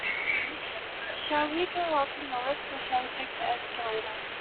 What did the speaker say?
Shall we go up in the lift, or shall we take the escalator?